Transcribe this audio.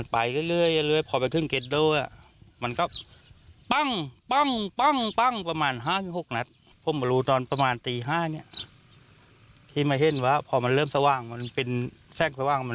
ประมาณ๕๖นัดผมรู้ตอนประมาณตี๕นี้ที่มาเห็นว่าพอมันเริ่มสว่างมันเป็นแส้งสว่าง